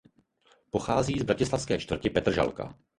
Pochází z bratislavské části Petržalka.